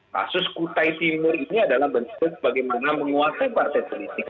kasus kutai timur ini adalah bentuk bagaimana menguasai partai politik